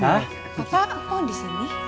papa apa kondisi nih